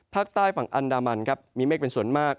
ภาคใต้ฝั่งอันดามันครับมีเมฆเป็นส่วนมาก